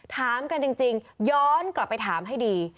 ถามกันจริงย้อนกลับไปถามให้ดี